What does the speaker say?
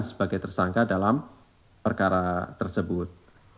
dan sebagai tersangka dalam perkara tersebut